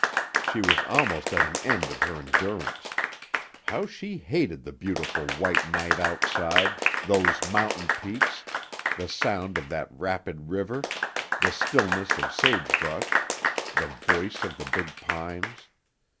She was almost at an end of her endurance. How she hated the beautiful white night outside, those mountain peaks, the sound of that rapid river, the stillness of sagebrush, the voice of the big pines!